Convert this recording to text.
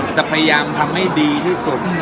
จะพยายามทำให้ดีที่สุด